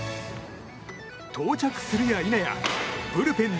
到着するや否や、ブルペンに。